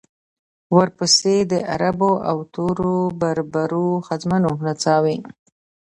ورپسې د عربو او تورو بربرو ښځمنو نڅاوې.